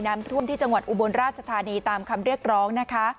น้ำท่วมที่จังหวัดอุบลราชธานีตามคำเรียกร้องนะคะ